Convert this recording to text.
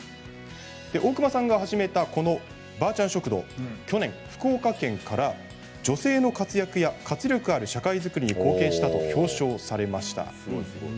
大熊さんが始めたばあちゃん食堂は去年、福岡県から女性の活躍や活力ある社会作りに貢献したと表彰されました。